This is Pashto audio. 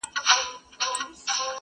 د دروازې په ځینځیر ځان مشغولوینه٫